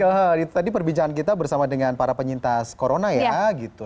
ya itu tadi perbincangan kita bersama dengan para penyintas corona ya gitu